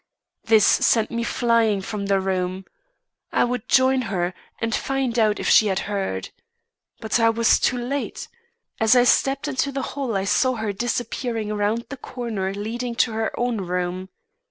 This sent me flying from the room. I would join her, and find out if she had heard. But I was too late. As I stepped into the hall I saw her disappearing round the corner leading to her own room.